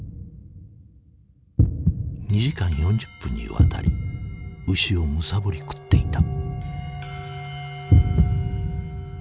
２時間４０分にわたり牛をむさぼり食っていた。